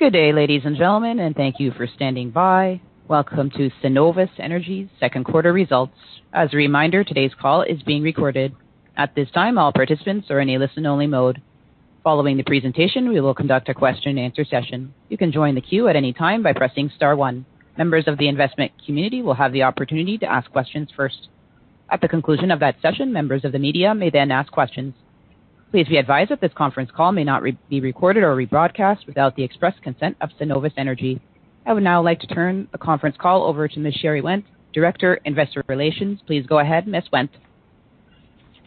Good day, ladies and gentlemen, and thank you for standing by. Welcome to Cenovus Energy's Second Quarter results. As a reminder, today's call is being recorded. At this time, all participants are in a listen-only mode. Following the presentation, we will conduct a Question-and-Answer session. You can join the queue at any time by pressing star one. Members of the investment community will have the opportunity to ask questions first. At the conclusion of that session, members of the media may then ask questions. Please be advised that this conference call may not be recorded or rebroadcast without the express consent of Cenovus Energy. I would now like to turn the conference call over to Ms. Sherry Wendt, Director, Investor Relations. Please go ahead, Ms. Wendt.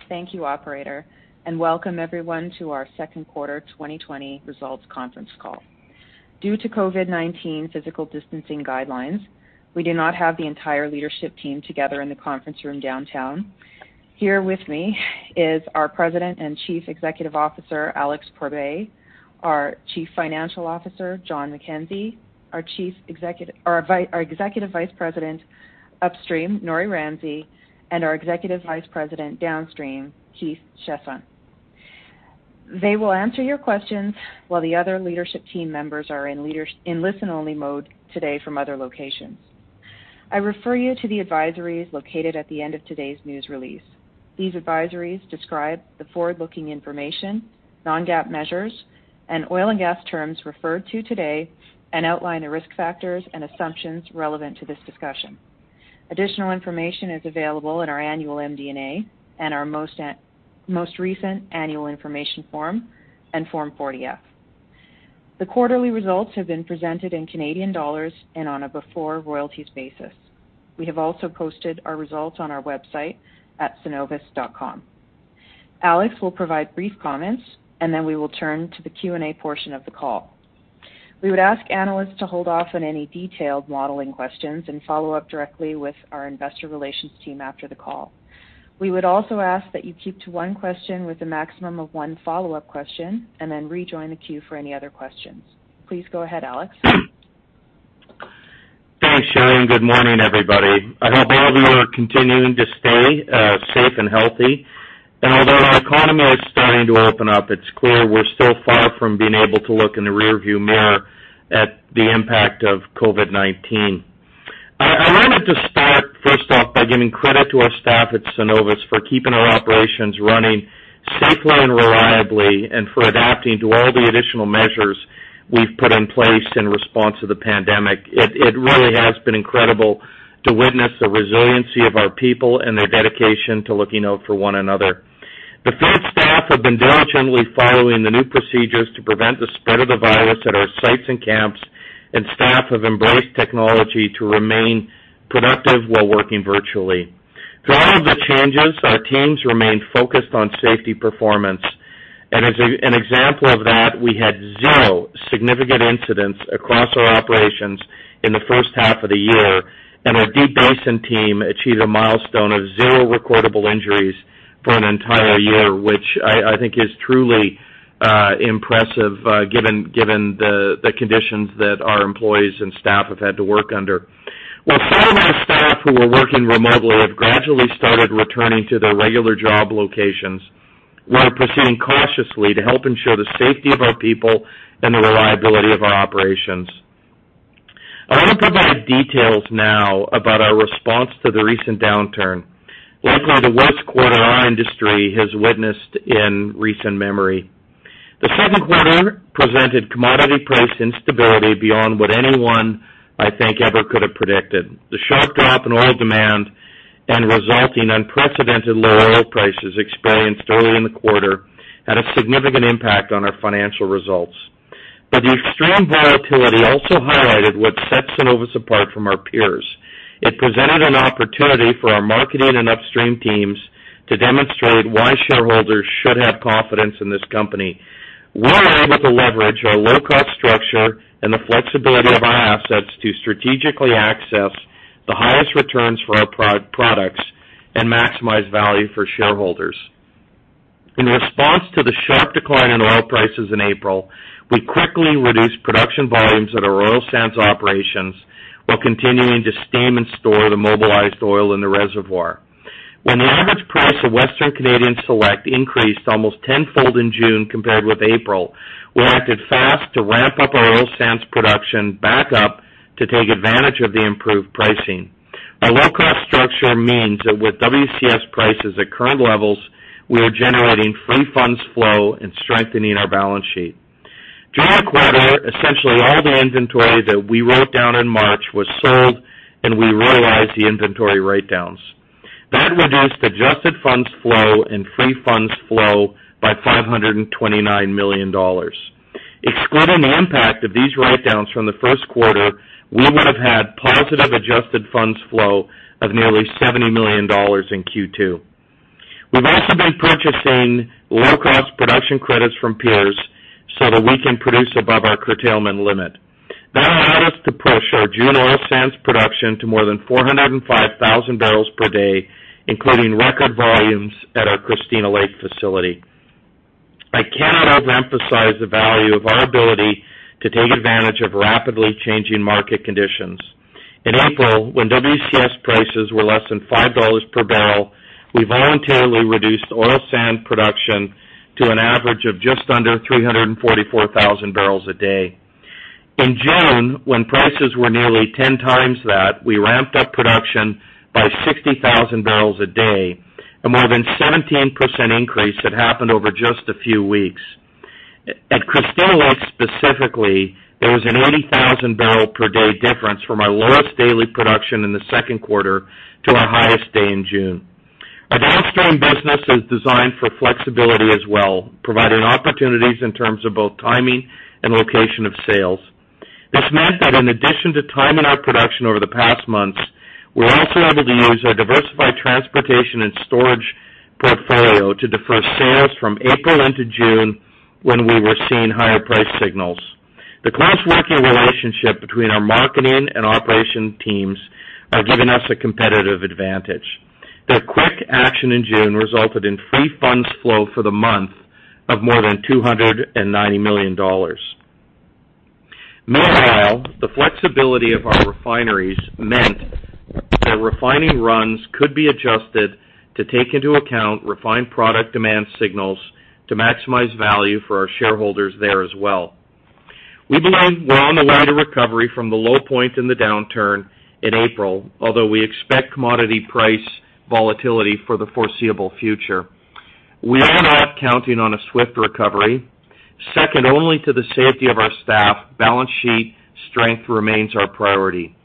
Thank you, Operator, and welcome everyone to our Second Quarter 2020 Results Conference Call. Due to COVID-19 physical distancing guidelines, we do not have the entire leadership team together in the conference room downtown. Here with me is our President and Chief Executive Officer, Alex Pourbaix, our Chief Financial Officer, Jon McKenzie, our Executive Vice President, Upstream, Norrie Ramsay, and our Executive Vice President, Downstream, Keith Chiasson. They will answer your questions while the other leadership team members are in listen-only mode today from other locations. I refer you to the advisories located at the end of today's news release. These advisories describe the forward-looking information, non-GAAP measures, and oil and gas terms referred to today, and outline the risk factors and assumptions relevant to this discussion. Additional information is available in our annual MD&A and our most recent annual information form and Form 40-F. The quarterly results have been presented in Canadian dollars and on a before royalties basis. We have also posted our results on our website at cenovus.com. Alex will provide brief comments, and then we will turn to the Q&A portion of the call. We would ask analysts to hold off on any detailed modeling questions and follow up directly with our investor relations team after the call. We would also ask that you keep to one question with a maximum of one follow-up question and then rejoin the queue for any other questions. Please go ahead, Alex. Thanks, Sherry. Good morning, everybody. I hope all of you are continuing to stay safe and healthy. Although the economy is starting to open up, it's clear we're still far from being able to look in the rearview mirror at the impact of COVID-19. I wanted to start, first off, by giving credit to our staff at Cenovus for keeping our operations running safely and reliably and for adapting to all the additional measures we've put in place in response to the pandemic. It really has been incredible to witness the resiliency of our people and their dedication to looking out for one another. The field staff have been diligently following the new procedures to prevent the spread of the virus at our sites and camps, and staff have embraced technology to remain productive while working virtually. Through all of the changes, our teams remain focused on safety performance. As an example of that, we had zero significant incidents across our operations in the first half of the year, and our Deep Basin team achieved a milestone of zero recordable injuries for an entire year, which I think is truly impressive given the conditions that our employees and staff have had to work under. While some of our staff who were working remotely have gradually started returning to their regular job locations, we're proceeding cautiously to help ensure the safety of our people and the reliability of our operations. I want to provide details now about our response to the recent downturn, likely the worst quarter our industry has witnessed in recent memory. The second quarter presented commodity price instability beyond what anyone, I think, ever could have predicted. The sharp drop in oil demand and resulting unprecedented low oil prices experienced early in the quarter had a significant impact on our financial results. The extreme volatility also highlighted what sets Cenovus apart from our peers. It presented an opportunity for our marketing and upstream teams to demonstrate why shareholders should have confidence in this company. We were able to leverage our low-cost structure and the flexibility of our assets to strategically access the highest returns for our products and maximize value for shareholders. In response to the sharp decline in oil prices in April, we quickly reduced production volumes at our oil sands operations while continuing to steam and store the mobilized oil in the reservoir. When the average price of Western Canadian Select increased almost tenfold in June compared with April, we acted fast to ramp up our oil sands production back up to take advantage of the improved pricing. Our low-cost structure means that with WCS prices at current levels, we are generating free funds flow and strengthening our balance sheet. During the quarter, essentially all the inventory that we wrote down in March was sold, and we realized the inventory write-downs. That reduced adjusted funds flow and free funds flow by 529 million dollars. Excluding the impact of these write-downs from the first quarter, we would have had positive adjusted funds flow of nearly 70 million dollars in Q2. We've also been purchasing low-cost production credits from peers so that we can produce above our curtailment limit. That allowed us to push our June oil sands production to more than 405,000 barrels per day, including record volumes at our Christina Lake facility. I cannot overemphasize the value of our ability to take advantage of rapidly changing market conditions. In April, when WCS prices were less than 5 dollars per barrel, we voluntarily reduced oil sands production to an average of just under 344,000 barrels a day. In June, when prices were nearly ten times that, we ramped up production by 60,000 barrels a day, a more than 17% increase that happened over just a few weeks. At Christina Lake specifically, there was an 80,000 barrel per day difference from our lowest daily production in the second quarter to our highest day in June. Our downstream business is designed for flexibility as well, providing opportunities in terms of both timing and location of sales. This meant that in addition to timing our production over the past months, we were also able to use our diversified transportation and storage portfolio to defer sales from April into June when we were seeing higher price signals. The close working relationship between our marketing and operation teams has given us a competitive advantage. Their quick action in June resulted in free funds flow for the month of more than 290 million dollars. Meanwhile, the flexibility of our refineries meant their refining runs could be adjusted to take into account refined product demand signals to maximize value for our shareholders there as well. We believe we're on the way to recovery from the low point in the downturn in April, although we expect commodity price volatility for the foreseeable future. We are not counting on a swift recovery. Second only to the safety of our staff, balance sheet strength remains our priority.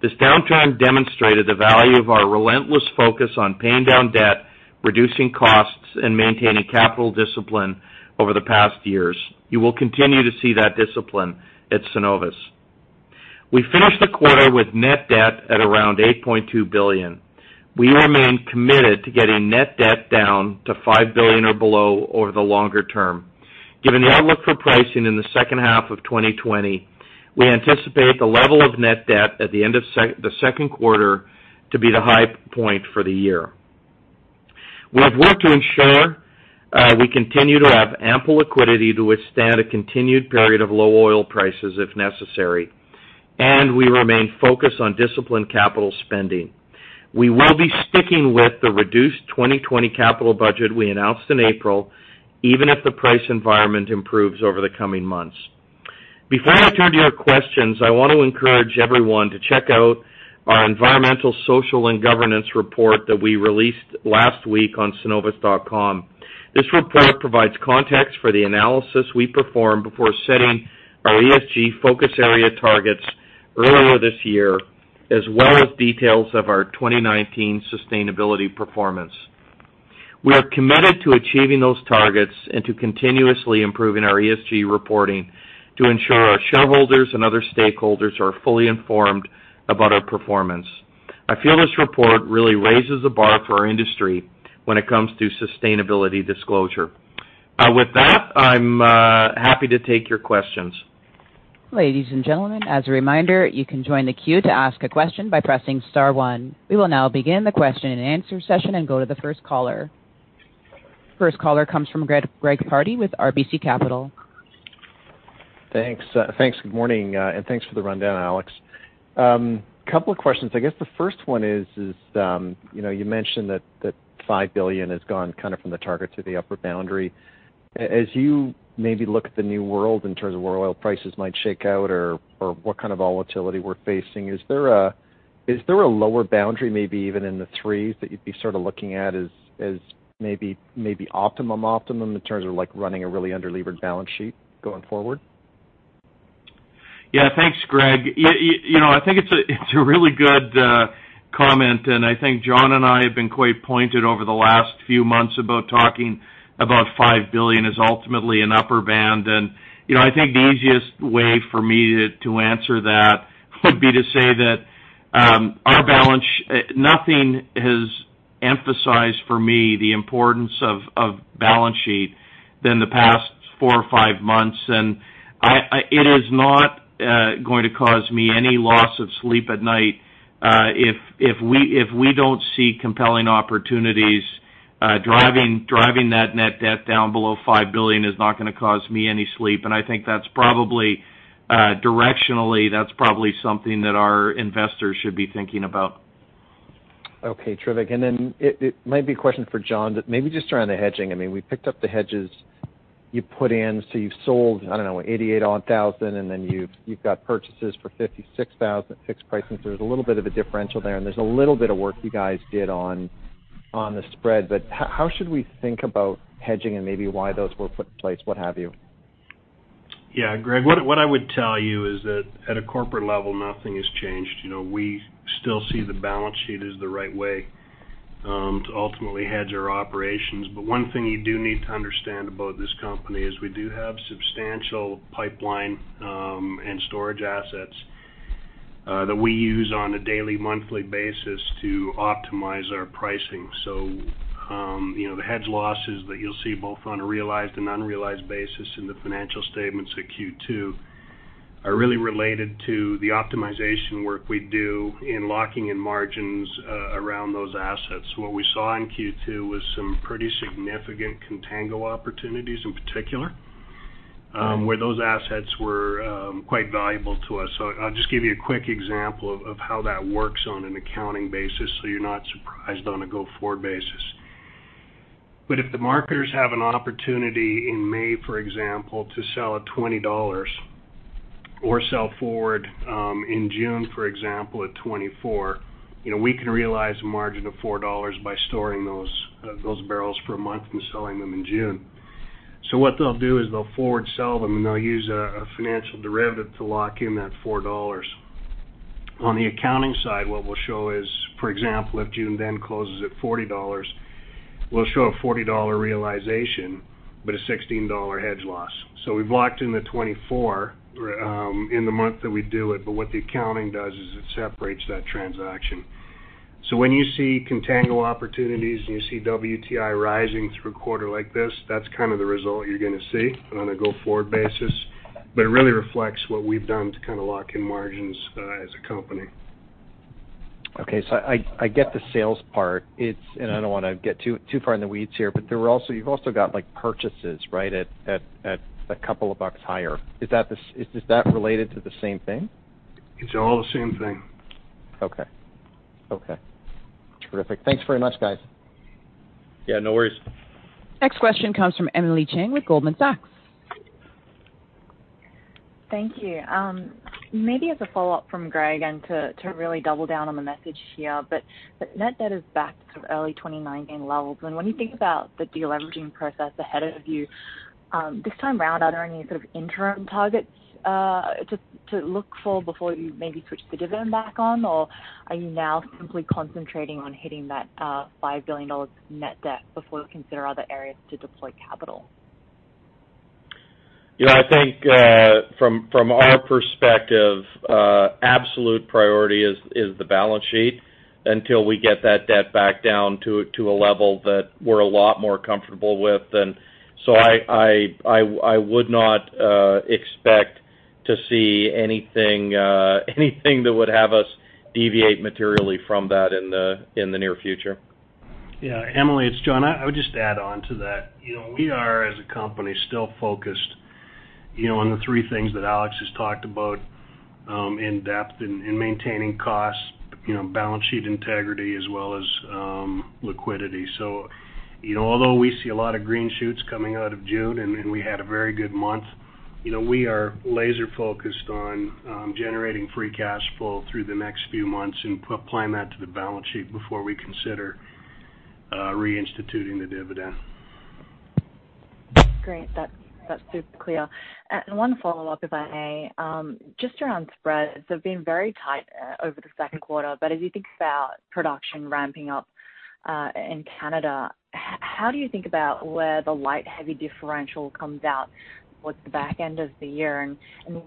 This downturn demonstrated the value of our relentless focus on paying down debt, reducing costs, and maintaining capital discipline over the past years. You will continue to see that discipline at Cenovus. We finished the quarter with net debt at around 8.2 billion. We remain committed to getting net debt down to 5 billion or below over the longer term. Given the outlook for pricing in the second half of 2020, we anticipate the level of net debt at the end of the second quarter to be the high point for the year. We have worked to ensure we continue to have ample liquidity to withstand a continued period of low oil prices if necessary, and we remain focused on disciplined capital spending. We will be sticking with the reduced 2020 capital budget we announced in April, even if the price environment improves over the coming months. Before I turn to your questions, I want to encourage everyone to check out our environmental, social, and governance report that we released last week on cenovus.com. This report provides context for the analysis we performed before setting our ESG focus area targets earlier this year, as well as details of our 2019 sustainability performance. We are committed to achieving those targets and to continuously improving our ESG reporting to ensure our shareholders and other stakeholders are fully informed about our performance. I feel this report really raises the bar for our industry when it comes to sustainability disclosure. With that, I'm happy to take your questions. Ladies and gentlemen, as a reminder, you can join the queue to ask a question by pressing star one. We will now begin the question-and-answer session and go to the first caller. First caller comes from Greg Pardy with RBC Capital. Thanks. Thanks. Good morning, and thanks for the rundown, Alex. A couple of questions. I guess the first one is, you mentioned that 5 billion has gone kind of from the target to the upper boundary. As you maybe look at the new world in terms of where oil prices might shake out or what kind of volatility we're facing, is there a lower boundary, maybe even in the threes, that you'd be sort of looking at as maybe optimum, optimum in terms of running a really under-leveraged balance sheet going forward? Yeah. Thanks, Greg. I think it's a really good comment, and I think Jon and I have been quite pointed over the last few months about talking about 5 billion as ultimately an upper band. I think the easiest way for me to answer that would be to say that our balance, nothing has emphasized for me the importance of balance sheet than the past four or five months. It is not going to cause me any loss of sleep at night if we don't see compelling opportunities. Driving that net debt down below 5 billion is not going to cause me any sleep. I think that's probably directionally, that's probably something that our investors should be thinking about. Okay. Terrific. It might be a question for Jon, but maybe just around the hedging. I mean, we picked up the hedges you put in. You have sold, I do not know, 88,000, and then you have got purchases for 56,000 at fixed pricing. There is a little bit of a differential there, and there is a little bit of work you guys did on the spread. How should we think about hedging and maybe why those were put in place, what have you? Yeah, Greg, what I would tell you is that at a corporate level, nothing has changed. We still see the balance sheet as the right way to ultimately hedge our operations. One thing you do need to understand about this company is we do have substantial pipeline and storage assets that we use on a daily, monthly basis to optimize our pricing. The hedge losses that you'll see both on a realized and unrealized basis in the financial statements at Q2 are really related to the optimization work we do in locking in margins around those assets. What we saw in Q2 was some pretty significant contango opportunities in particular where those assets were quite valuable to us. I'll just give you a quick example of how that works on an accounting basis so you're not surprised on a go-forward basis. If the marketers have an opportunity in May, for example, to sell at 20 dollars or sell forward in June, for example, at 24, we can realize a margin of 4 dollars by storing those barrels for a month and selling them in June. What they'll do is they'll forward sell them, and they'll use a financial derivative to lock in that 4 dollars. On the accounting side, what we'll show is, for example, if June then closes at 40 dollars, we'll show a 40 dollar realization, but a 16 dollar hedge loss. We've locked in the 24 in the month that we do it, but what the accounting does is it separates that transaction. When you see contango opportunities and you see WTI rising through a quarter like this, that's kind of the result you're going to see on a go-forward basis. It really reflects what we've done to kind of lock in margins as a company. Okay. I get the sales part, and I do not want to get too far in the weeds here, but you have also got purchases, right, at a couple of bucks higher. Is that related to the same thing? It's all the same thing. Okay. Okay. Terrific. Thanks very much, guys. Yeah. No worries. Next question comes from Emily Chieng with Goldman Sachs. Thank you. Maybe as a follow-up from Greg and to really double down on the message here, net debt is back to early 2019 levels. When you think about the deleveraging process ahead of you, this time around, are there any sort of interim targets to look for before you maybe switch the dividend back on, or are you now simply concentrating on hitting that 5 billion dollars net debt before you consider other areas to deploy capital? Yeah. I think from our perspective, absolute priority is the balance sheet until we get that debt back down to a level that we're a lot more comfortable with. I would not expect to see anything that would have us deviate materially from that in the near future. Yeah. Emily, it's Jon. I would just add on to that. We are, as a company, still focused on the three things that Alex has talked about in depth, in maintaining costs, balance sheet integrity, as well as liquidity. Although we see a lot of green shoots coming out of June, and we had a very good month, we are laser-focused on generating free cash flow through the next few months and applying that to the balance sheet before we consider reinstituting the dividend. Great. That is super clear. One follow-up, if I may. Just around spreads, they have been very tight over the second quarter. As you think about production ramping up in Canada, how do you think about where the light-heavy differential comes out towards the back end of the year?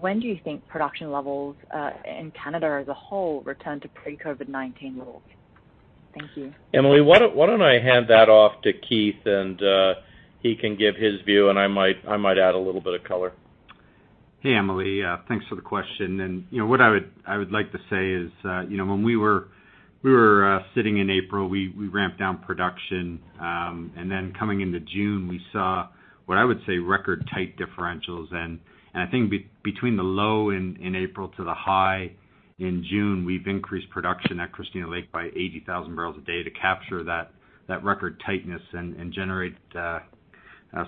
When do you think production levels in Canada as a whole return to pre-COVID-19 levels? Thank you. Emily, why don't I hand that off to Keith, and he can give his view, and I might add a little bit of color. Hey, Emily. Thanks for the question. What I would like to say is when we were sitting in April, we ramped down production. Coming into June, we saw what I would say were record-tight differentials. I think between the low in April to the high in June, we've increased production at Christina Lake by 80,000 barrels a day to capture that record tightness and generate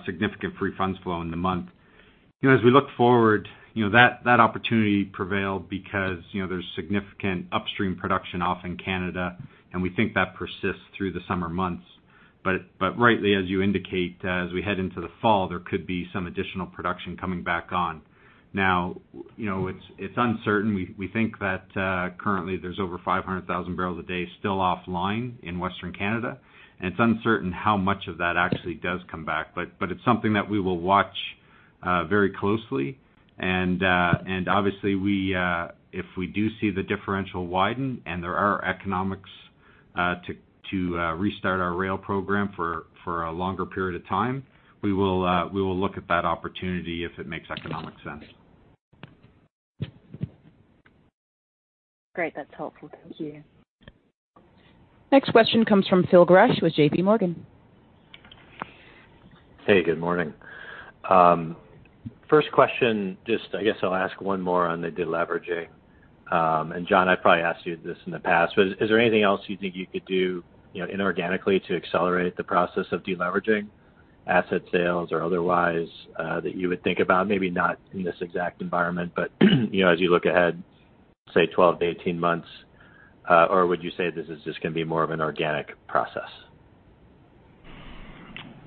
significant free funds flow in the month. As we look forward, that opportunity prevailed because there is significant upstream production off in Canada, and we think that persists through the summer months. Rightly, as you indicate, as we head into the fall, there could be some additional production coming back on. Now, it's uncertain. We think that currently there is over 500,000 barrels a day still offline in Western Canada. It's uncertain how much of that actually does come back. It is something that we will watch very closely. Obviously, if we do see the differential widen and there are economics to restart our rail program for a longer period of time, we will look at that opportunity if it makes economic sense. Great. That's helpful. Thank you. Next question comes from Phil Gresh with JPMorgan. Hey. Good morning. First question, just I guess I'll ask one more on the deleveraging. Jon, I probably asked you this in the past, but is there anything else you think you could do inorganically to accelerate the process of deleveraging, asset sales or otherwise, that you would think about, maybe not in this exact environment, but as you look ahead, say 12 to 18 months? Would you say this is just going to be more of an organic process?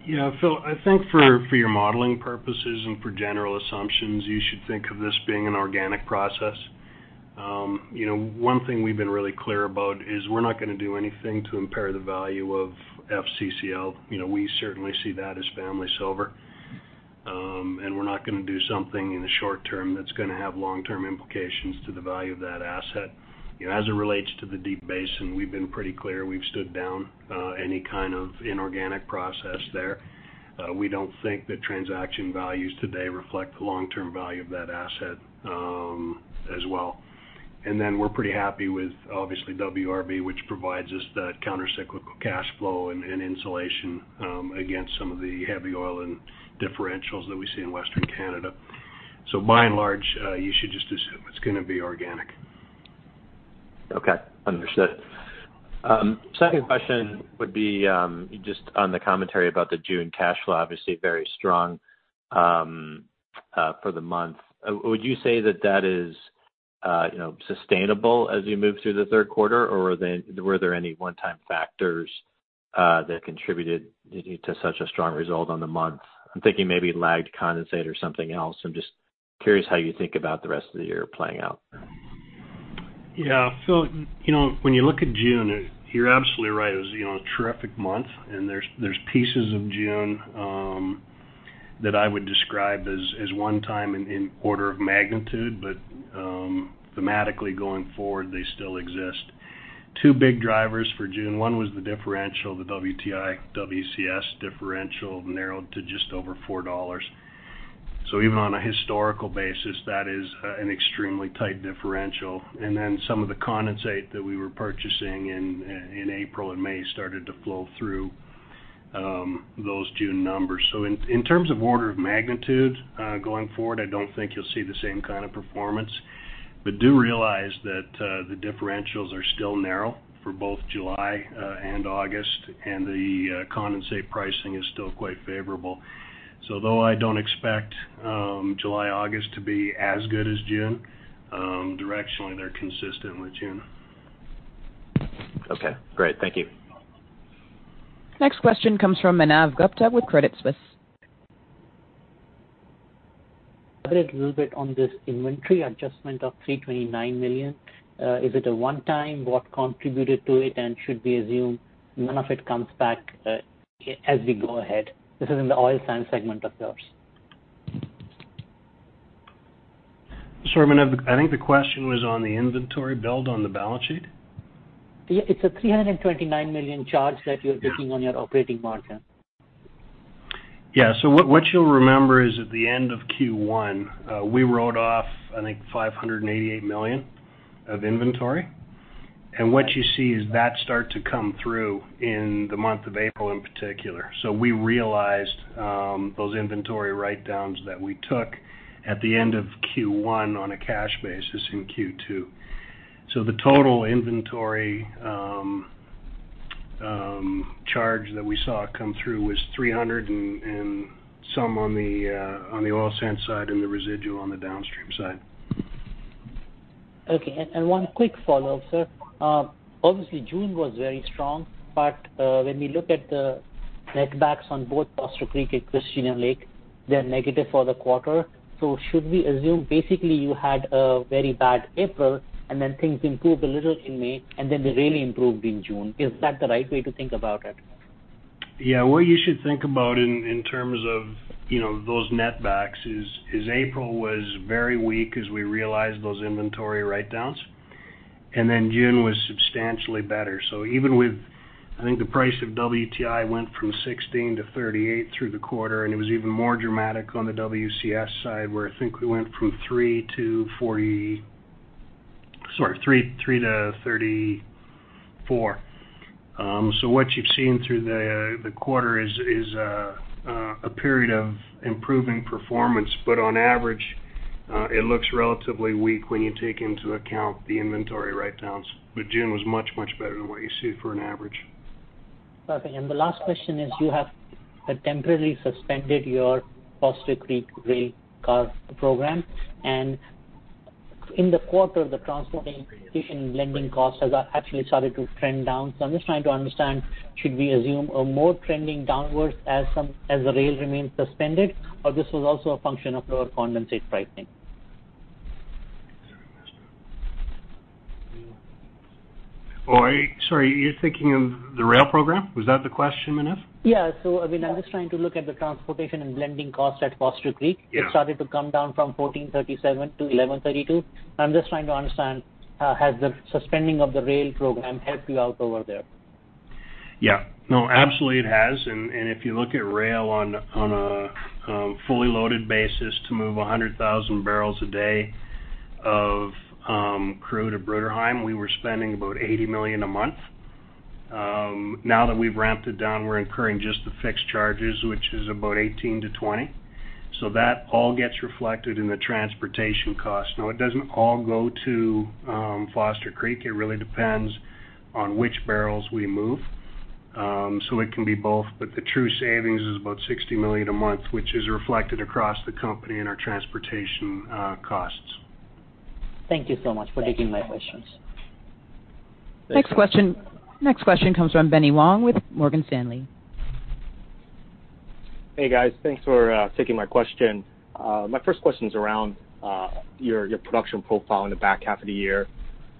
Yeah. Phil, I think for your modeling purposes and for general assumptions, you should think of this being an organic process. One thing we've been really clear about is we're not going to do anything to impair the value of FCCL. We certainly see that as family silver. We are not going to do something in the short term that's going to have long-term implications to the value of that asset. As it relates to the Deep Basin, we've been pretty clear. We've stood down any kind of inorganic process there. We do not think that transaction values today reflect the long-term value of that asset as well. We are pretty happy with, obviously, WRB, which provides us that countercyclical cash flow and insulation against some of the heavy oil and differentials that we see in Western Canada. By and large, you should just assume it's going to be organic. Okay. Understood. Second question would be just on the commentary about the June cash flow, obviously very strong for the month. Would you say that that is sustainable as you move through the third quarter, or were there any one-time factors that contributed to such a strong result on the month? I'm thinking maybe lagged condensate or something else. I'm just curious how you think about the rest of the year playing out. Yeah. Phil, when you look at June, you're absolutely right. It was a terrific month. There's pieces of June that I would describe as one-time in order of magnitude, but thematically going forward, they still exist. Two big drivers for June. One was the differential, the WTI, WCS differential narrowed to just over 4 dollars. Even on a historical basis, that is an extremely tight differential. Some of the condensate that we were purchasing in April and May started to flow through those June numbers. In terms of order of magnitude going forward, I don't think you'll see the same kind of performance. Do realize that the differentials are still narrow for both July and August, and the condensate pricing is still quite favorable. Though I don't expect July, August to be as good as June, directionally, they're consistent with June. Okay. Great. Thank you. Next question comes from Manav Gupta with Credit Suisse. A little bit on this inventory adjustment of 329 million. Is it a one-time? What contributed to it? Should we assume none of it comes back as we go ahead? This is in the oil sands segment of yours. Sir, I think the question was on the inventory billed on the balance sheet? Yeah. It's a 329 million charge that you're taking on your operating margin. Yeah. So what you'll remember is at the end of Q1, we wrote off, I think, 588 million of inventory. What you see is that start to come through in the month of April in particular. We realized those inventory write-downs that we took at the end of Q1 on a cash basis in Q2. The total inventory charge that we saw come through was 300 million and some on the oil sands side and the residual on the downstream side. Okay. One quick follow-up, sir. Obviously, June was very strong, but when we look at the net backs on both Foster Creek and Christina Lake, they're negative for the quarter. Should we assume basically you had a very bad April, and then things improved a little in May, and then they really improved in June? Is that the right way to think about it? Yeah. What you should think about in terms of those net backs is April was very weak as we realized those inventory write-downs, and then June was substantially better. Even with, I think, the price of WTI went from 16 to 38 through the quarter, and it was even more dramatic on the WCS side where I think we went from 3 to 34. What you have seen through the quarter is a period of improving performance, but on average, it looks relatively weak when you take into account the inventory write-downs. June was much, much better than what you see for an average. Perfect. The last question is you have temporarily suspended your Foster Creek rail car program. In the quarter, the transportation blending costs have actually started to trend down. I am just trying to understand, should we assume a more trending downwards as the rail remains suspended, or this was also a function of lower condensate pricing? Sorry. You're thinking of the rail program? Was that the question, Manav? Yeah. I mean, I'm just trying to look at the transportation and blending costs at Foster Creek. It started to come down from 14.37 to 11.32. I'm just trying to understand, has the suspending of the rail program helped you out over there? Yeah. No, absolutely it has. If you look at rail on a fully loaded basis to move 100,000 barrels a day of crude at Bruderheim, we were spending about 80 million a month. Now that we've ramped it down, we're incurring just the fixed charges, which is about 18-20 million. That all gets reflected in the transportation cost. It doesn't all go to Foster Creek. It really depends on which barrels we move. It can be both. The true savings is about 60 million a month, which is reflected across the company and our transportation costs. Thank you so much for taking my questions. Next question comes from Benny Wong with Morgan Stanley. Hey, guys. Thanks for taking my question. My first question is around your production profile in the back half of the year.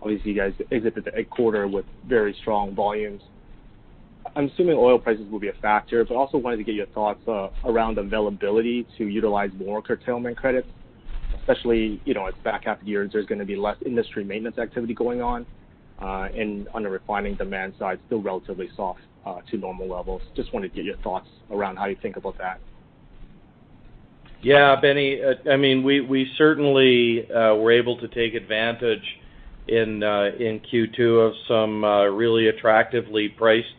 Obviously, you guys exited the quarter with very strong volumes. I'm assuming oil prices will be a factor, but also wanted to get your thoughts around availability to utilize more curtailment credits, especially as back half of the year, there's going to be less industry maintenance activity going on. On the refining demand side, still relatively soft to normal levels. Just wanted to get your thoughts around how you think about that. Yeah, Benny. I mean, we certainly were able to take advantage in Q2 of some really attractively priced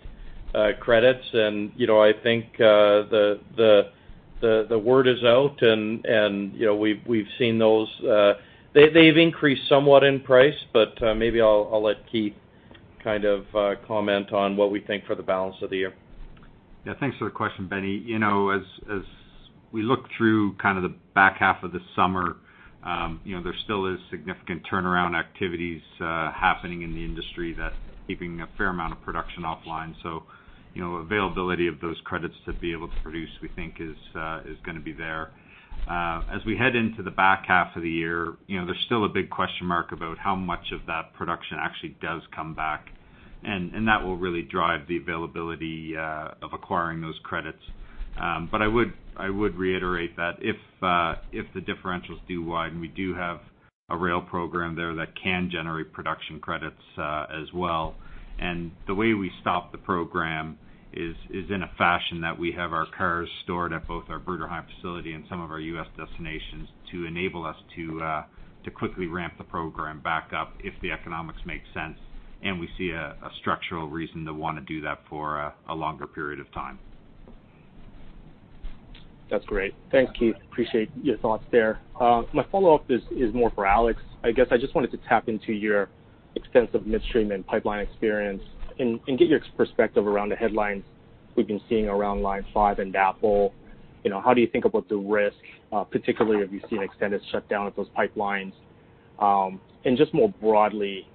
credits. I think the word is out, and we've seen those. They've increased somewhat in price, but maybe I'll let Keith kind of comment on what we think for the balance of the year. Yeah. Thanks for the question, Benny. As we look through kind of the back half of the summer, there still is significant turnaround activities happening in the industry that are keeping a fair amount of production offline. Availability of those credits to be able to produce, we think, is going to be there. As we head into the back half of the year, there's still a big question mark about how much of that production actually does come back. That will really drive the availability of acquiring those credits. I would reiterate that if the differentials do widen, we do have a rail program there that can generate production credits as well. The way we stop the program is in a fashion that we have our cars stored at both our Bruderheim facility and some of our U.S. destinations to enable us to quickly ramp the program back up if the economics make sense and we see a structural reason to want to do that for a longer period of time. That's great. Thanks, Keith. Appreciate your thoughts there. My follow-up is more for Alex. I guess I just wanted to tap into your extensive midstream and pipeline experience and get your perspective around the headlines we've been seeing around Line 5 and DAPL. How do you think about the risk, particularly if you see an extended shutdown of those pipelines? Just more broadly,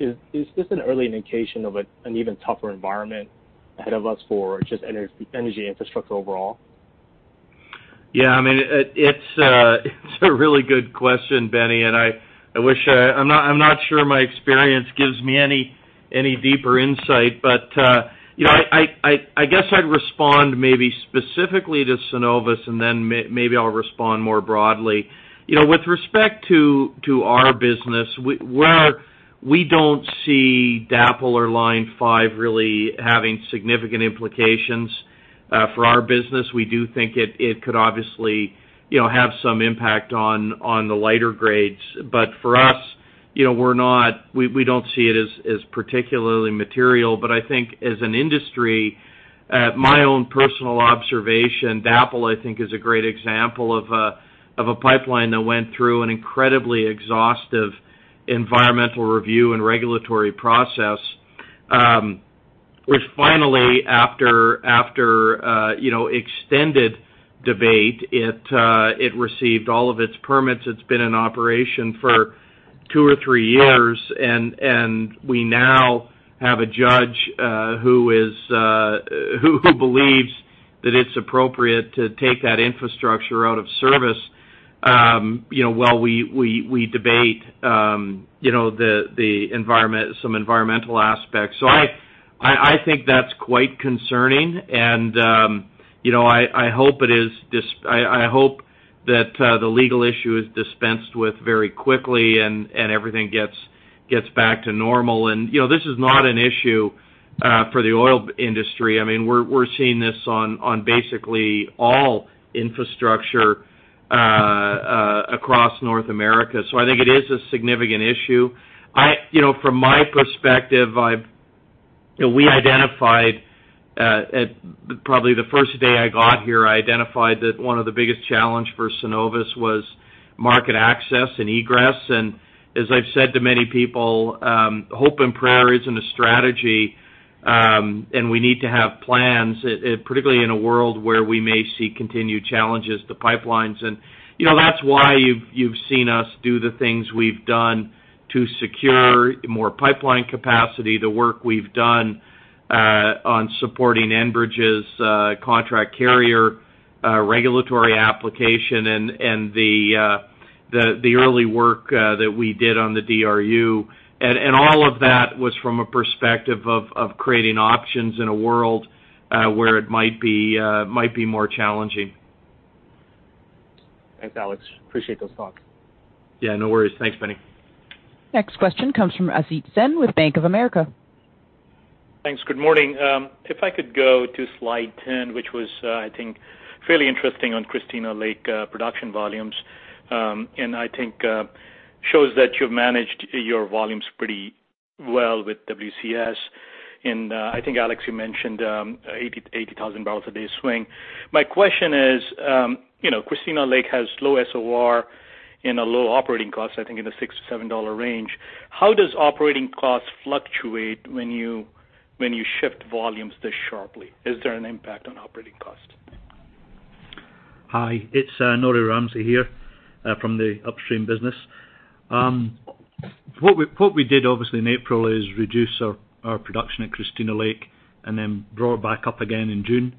is this an early indication of an even tougher environment ahead of us for just energy infrastructure overall? Yeah. I mean, it's a really good question, Benny. I'm not sure my experience gives me any deeper insight, but I guess I'd respond maybe specifically to Cenovus, and then maybe I'll respond more broadly. With respect to our business, we don't see DAPL or Line 5 really having significant implications for our business. We do think it could obviously have some impact on the lighter grades. For us, we don't see it as particularly material. I think as an industry, my own personal observation, DAPL, I think, is a great example of a pipeline that went through an incredibly exhaustive environmental review and regulatory process. Finally, after extended debate, it received all of its permits. It's been in operation for two or three years, and we now have a judge who believes that it's appropriate to take that infrastructure out of service while we debate some environmental aspects. I think that's quite concerning. I hope that the legal issue is dispensed with very quickly and everything gets back to normal. This is not an issue for the oil industry. I mean, we're seeing this on basically all infrastructure across North America. I think it is a significant issue. From my perspective, we identified probably the first day I got here, I identified that one of the biggest challenges for Cenovus was market access and egress. As I've said to many people, hope and prayer isn't a strategy, and we need to have plans, particularly in a world where we may see continued challenges to pipelines. That is why you've seen us do the things we've done to secure more pipeline capacity, the work we've done on supporting Enbridge's contract carrier regulatory application, and the early work that we did on the DRU. All of that was from a perspective of creating options in a world where it might be more challenging. Thanks, Alex. Appreciate those thoughts. Yeah. No worries. Thanks, Benny. Next question comes from Asit Sen with Bank of America. Thanks. Good morning. If I could go to slide 10, which was, I think, fairly interesting on Christina Lake production volumes, and I think shows that you've managed your volumes pretty well with WCS. I think, Alex, you mentioned 80,000 barrels a day swing. My question is, Christina Lake has low SOR and a low operating cost, I think, in the 6- 7 dollar range. How does operating cost fluctuate when you shift volumes this sharply? Is there an impact on operating costs? Hi. It's Norrie Ramsay here from the Upstream business. What we did, obviously, in April is reduce our production at Christina Lake and then brought it back up again in June.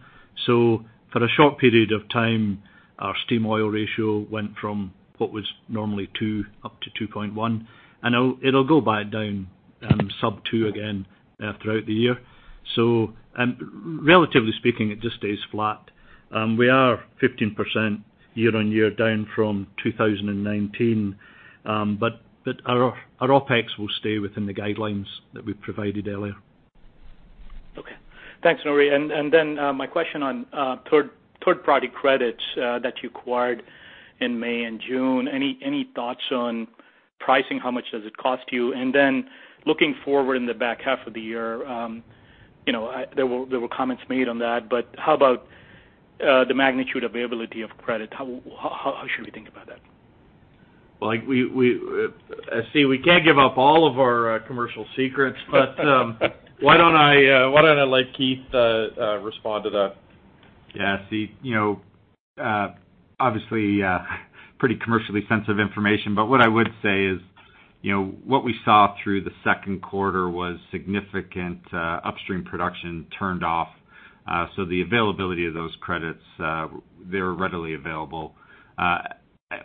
For a short period of time, our steam-oil ratio went from what was normally 2 up to 2.1. It will go back down sub two again throughout the year. Relatively speaking, it just stays flat. We are 15% year-on-year down from 2019, but our OpEx will stay within the guidelines that we provided earlier. Okay. Thanks, Norrie. My question on third-party credits that you acquired in May and June, any thoughts on pricing? How much does it cost you? Looking forward in the back half of the year, there were comments made on that, but how about the magnitude of availability of credit? How should we think about that? See, we can't give up all of our commercial secrets, but why don't I let Keith respond to that? Yeah. See, obviously, pretty commercially sensitive information, but what I would say is what we saw through the second quarter was significant upstream production turned off. The availability of those credits, they were readily available.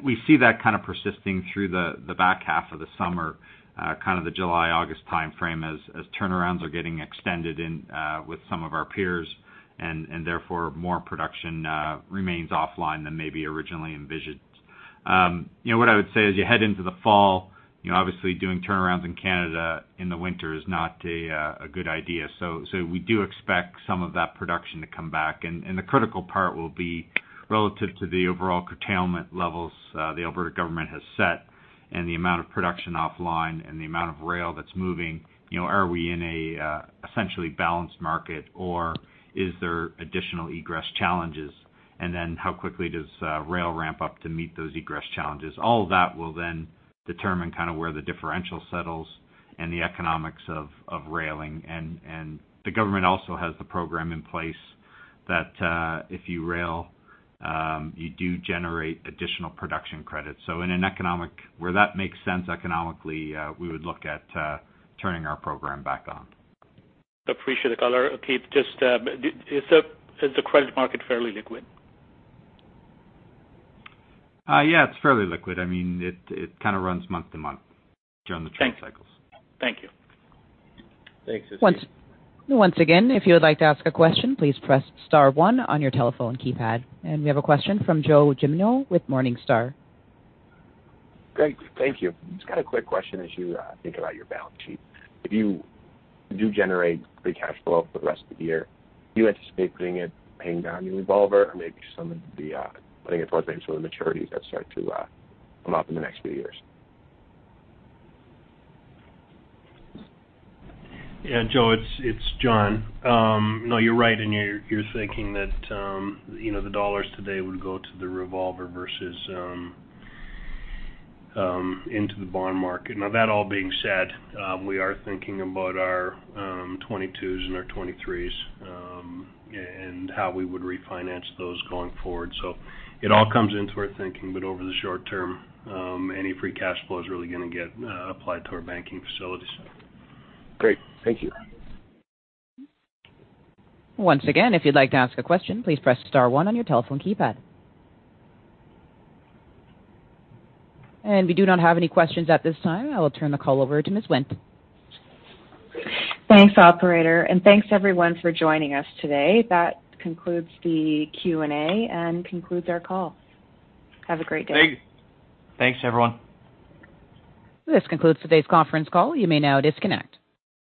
We see that kind of persisting through the back half of the summer, kind of the July-August timeframe, as turnarounds are getting extended with some of our peers, and therefore, more production remains offline than maybe originally envisioned. What I would say is you head into the fall, obviously, doing turnarounds in Canada in the winter is not a good idea. We do expect some of that production to come back. The critical part will be relative to the overall curtailment levels the Alberta government has set and the amount of production offline and the amount of rail that's moving. Are we in an essentially balanced market, or is there additional egress challenges? How quickly does rail ramp up to meet those egress challenges? All of that will then determine kind of where the differential settles and the economics of railing. The government also has the program in place that if you rail, you do generate additional production credits. In an economic where that makes sense economically, we would look at turning our program back on. Appreciate the color. Keith, just is the credit market fairly liquid? Yeah. It's fairly liquid. I mean, it kind of runs month to month during the trade cycles. Thank you. Thanks, Asit. Once again, if you would like to ask a question, please press star one on your telephone keypad. We have a question from Joe Gemino with Morningstar. Great. Thank you. Just got a quick question as you think about your balance sheet. If you do generate free cash flow for the rest of the year, do you anticipate putting it, paying down your revolver, or maybe some of the putting it towards maybe some of the maturities that start to come up in the next few years? Yeah. Joe, it's Jon. No, you're right. And you're thinking that the dollars today would go to the revolver versus into the bond market. Now, that all being said, we are thinking about our 2022s and our 2023s and how we would refinance those going forward. It all comes into our thinking, but over the short term, any free cash flow is really going to get applied to our banking facilities. Great. Thank you. Once again, if you'd like to ask a question, please press star one on your telephone keypad. We do not have any questions at this time. I will turn the call over to Ms. Wendt. Thanks, Operator. Thanks, everyone, for joining us today. That concludes the Q&A and concludes our call. Have a great day. Thanks, everyone. This concludes today's conference call. You may now disconnect.